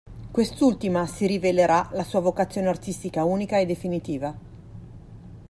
Quest'ultima si rivelerà la sua vocazione artistica unica e definitiva.